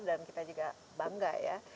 dan kita juga bangga ya